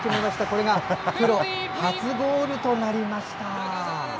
これがプロ初ゴールとなりました。